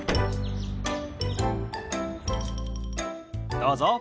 どうぞ。